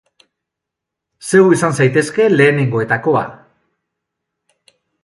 Zeu izan zaitezke lehenengoetakoa.